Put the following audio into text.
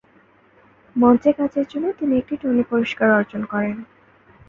মঞ্চে কাজের জন্য তিনি একটি টনি পুরস্কার অর্জন করেন।